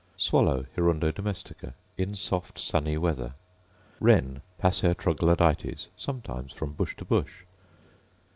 Swallow, Hirundo domestica: In soft sunny weather. Wren, Passer troglodytes: Sometimes from bush to bush.